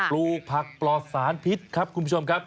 ลูกผักปลอดสารพิษครับคุณผู้ชมครับ